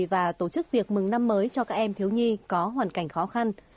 và tổ chức tiệc mừng năm mới cho các em thiếu nhi có hoàn cảnh khó khăn